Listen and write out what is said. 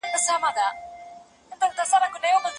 فارابي د اخلاقو په اړه جدي و.